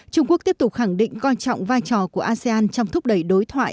trung quốc tiếp tục khẳng định coi trọng vai trò của asean trong thúc đẩy đối thoại